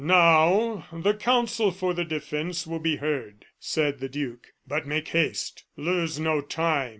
"Now the counsel for the defence will be heard," said the duke; "but make haste; lose no time!